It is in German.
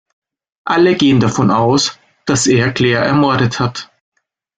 Alle gehen davon aus, dass er Claire ermordet hat.